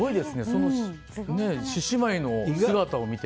その獅子舞の姿を見て。